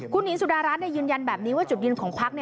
คุณหญิงสุดารัฐยืนยันแบบนี้ว่าจุดยืนของพัก